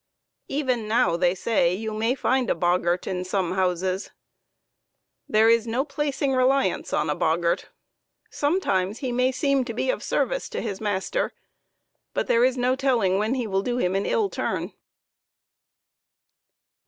Even now, they say, you may find a boggart in some houses. There is no placing reliance on a boggart; sometimes he may seem to be of service to his master, but there is no telling when he may do him an ill turn.